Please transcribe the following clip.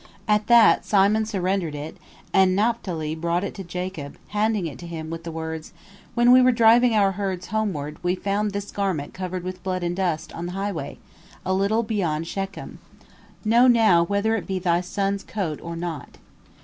At that Simon surrendered it, and Naphtali brought it to Jacob, handing it to him with the words: "When we were driving our herds homeward, we found this garment covered with blood and dust on the highway, a little beyond Shechem. Know now whether it be thy son's coat or not."